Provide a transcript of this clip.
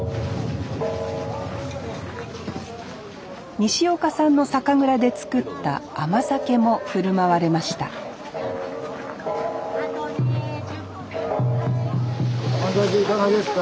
西岡さんの酒蔵で造った甘酒も振る舞われました甘酒いかがですか？